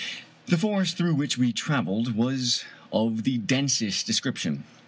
The forest through which we traveled was of the densest description.